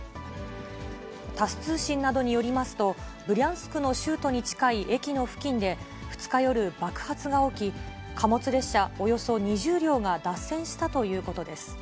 タス通信などによりますと、ブリャンスクの州都に近い駅の付近で２日夜、爆発が起き、貨物列車およそ２０両が脱線したということです。